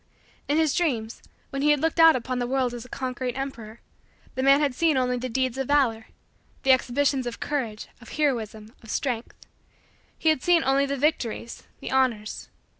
In his dreams, when he had looked out upon the world as a conquering emperor, the man had seen only the deeds of valor the exhibitions of courage, of heroism, of strength he had seen only the victories the honors.